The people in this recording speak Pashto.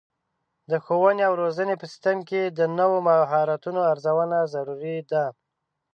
د ښوونې او روزنې په سیستم کې د نوو مهارتونو ارزونه ضروري ده.